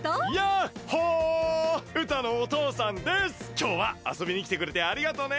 きょうはあそびにきてくれてありがとうね！